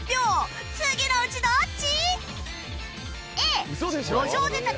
次のうちどっち？